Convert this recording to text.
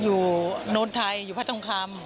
อยู่โน้นไทยอยู่พระสงคราม